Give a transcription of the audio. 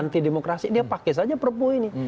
anti demokrasi dia pakai saja perpu ini